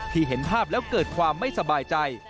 เห็นภาพแล้วเกิดความไม่สบายใจ